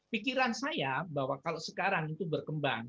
pikiran saya bahwa kalau sekarang itu berkembang